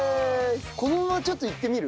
このままちょっといってみる？